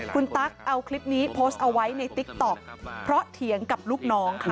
คุณตั๊กเอาคลิปนี้โพสต์เอาไว้ในติ๊กต๊อกเพราะเถียงกับลูกน้องค่ะ